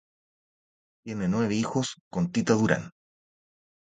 Tiene nueve hijos con Tita Durán.